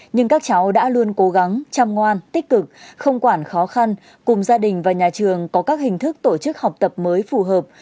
nhưng các cháu đã luôn cố gắng chăm ngoan tích cực không quản khó khăn cùng gia đình và nhà trường có các hình thức tổ chức học tập mới phù hợp